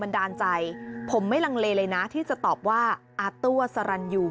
ดาลใจผมไม่ลังเลเลยนะที่จะตอบว่าอาตั้วสรรยู